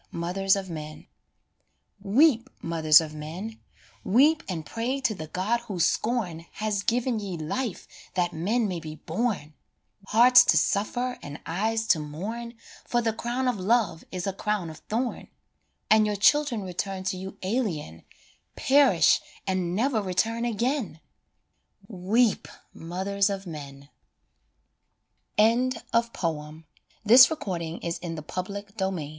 45 MOTHERS OF MEN Weep, mothers of men ! Weep and pray to the God whose scorn Has given ye life that men may be born : Hearts to suffer and eyes to mourn, For the crown of love is a crown of thorn, And your children return to you alien, Perish and never return again Weep, mothers of men 1 46 LOVE IN AGE IT was n